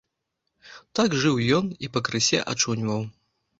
Так жыў ён і пакрысе ачуньваў.